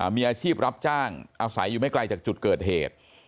มีอาชีพรับจ้างอาศัยอยู่ไม่ไกลจากจุดเกิดเหตุ